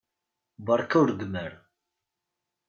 Beṛka ur reggem ara!